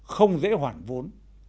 không dễ hoản vốn